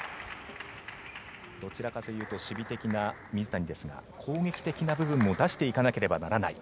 どちらかというと守備的な水谷ですが攻撃的な部分も出していかなければならない。